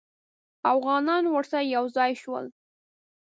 اوغانان ورسره یو ځای شول.